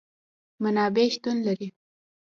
منابع شتون لري